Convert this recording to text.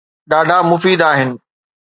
ڏاڍا مفيد آهن